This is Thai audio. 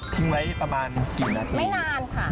ทิ้งไว้ประมาณกี่นัดไม่นานค่ะ